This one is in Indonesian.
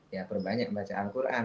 ya perbanyak baca al quran